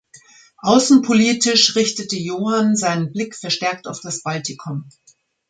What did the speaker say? Außenpolitisch richtete Johann seinen Blick verstärkt auf das Baltikum.